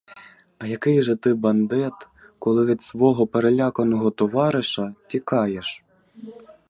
А який же ти бандит, коли від свого переляканого товариша тікаєш?